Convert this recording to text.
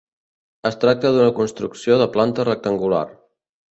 Es tracta d'una construcció de planta rectangular.